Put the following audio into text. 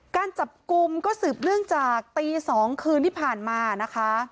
การจับกลุ่มก็สืบเนื่องจากตี๒คืนที่ผ่านมานะคะ